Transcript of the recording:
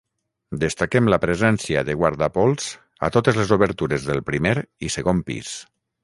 Destaquem la presència de guardapols a totes les obertures del primer i segon pis.